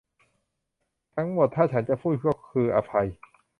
ทั้งหมดถ้าฉันจะพูดก็คืออภัย